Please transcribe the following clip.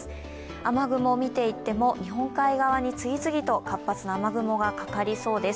雨雲みていっても、日本海側に次々な活発な雨雲がかかりそうです